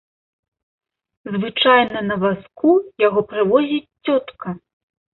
Звычайна на вазку яго прывозіць цётка.